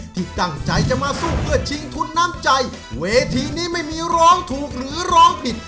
ที่ตั้งใจจะมาสู้เพื่อชิงทุนน้ำใจเวทีนี้ไม่มีร้องถูกหรือร้องผิด